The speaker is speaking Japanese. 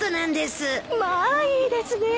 まあいいですね！